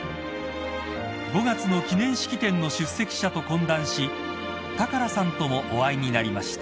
［５月の記念式典の出席者と懇談し良さんともお会いになりました］